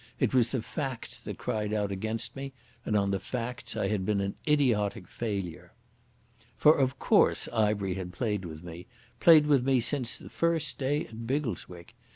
It was the facts that cried out against me, and on the facts I had been an idiotic failure. For of course Ivery had played with me, played with me since the first day at Biggleswick.